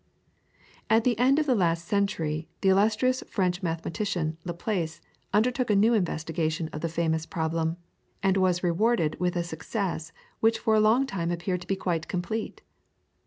At the end of the last century the illustrious French mathematician Laplace undertook a new investigation of the famous problem, and was rewarded with a success which for a long time appeared to be quite complete.